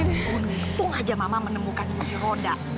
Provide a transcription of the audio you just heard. unsung aja mama menemukanmu si roda